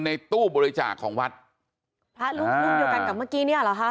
ในตู้บริจาคของวัดพระรูปรูปเดียวกันกับเมื่อกี้เนี่ยเหรอคะ